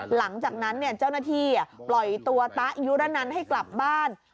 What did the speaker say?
หลังจากนั้นเจ้าหน้าที่ปล่อยตัวตะยุรนันให้กลับบ้าน